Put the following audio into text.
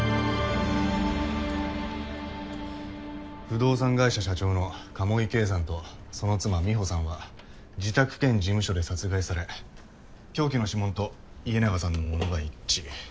不動産会社社長の鴨居圭さんとその妻美保さんは自宅兼事務所で殺害され凶器の指紋と家長さんのものが一致。